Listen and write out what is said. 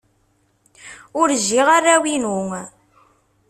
Ur jjiɣ arraw-inu.